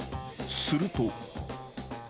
［すると］